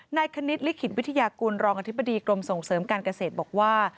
คณิตลิขิตวิทยากุลรองอธิบดีกรมส่งเสริมการเกษตรบอกว่า